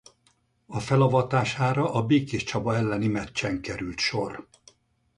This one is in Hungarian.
A felavatására a Békéscsaba elleni meccsen került sor.